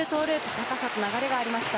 高さと流れがありました。